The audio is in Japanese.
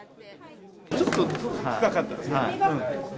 ちょっと深かったですね。